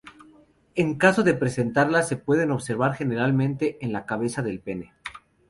En caso de presentarlas, se pueden observar generalmente en la cabeza del pene.